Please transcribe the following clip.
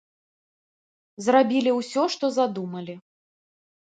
Зрабілі ўсё, што задумалі.